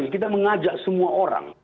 kita mengajak semua orang